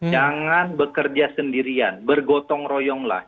jangan bekerja sendirian bergotong royonglah